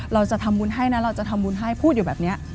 เราจะทำบุญให้นะเราจะทำบุญให้พูดอยู่แบบนี้